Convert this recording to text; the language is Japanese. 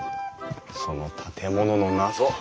その建物の謎